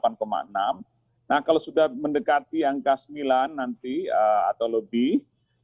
nah kalau sudah mendekati angka sembilan nanti atau lebih